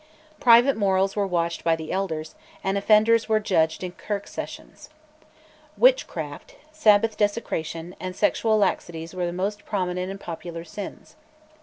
Private morals were watched by the elders, and offenders were judged in kirk sessions. Witchcraft, Sabbath desecration, and sexual laxities were the most prominent and popular sins.